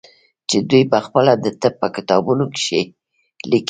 چې دوى پخپله د طب په کتابونو کښې ليکلي.